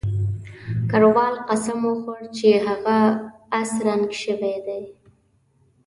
کراول قسم وخوړ چې هغه اس رنګ شوی دی.